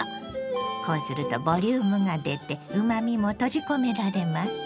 こうするとボリュームが出てうまみも閉じ込められます。